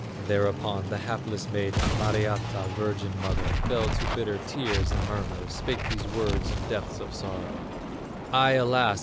'" Thereupon the hapless maiden, Mariatta, virgin mother, Fell to bitter tears and murmurs, Spake these words in depths of sorrow: "I, alas!